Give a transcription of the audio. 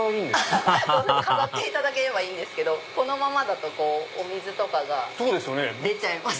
アハハハ飾っていただければいいですけどこのままだとお水が出ちゃいます。